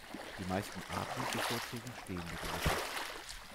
Die meisten Arten bevorzugen stehende Gewässer.